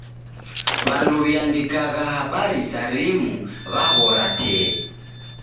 W'andu w'iandikagha habari saa rimu w'aghora tee.